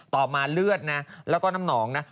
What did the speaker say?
ต่อมาเลือดนะแล้วก็น้ำหนองนะ